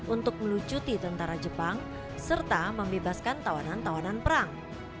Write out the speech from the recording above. untuk melucuti tentara jepang serta membebaskan tawanan tawanan perang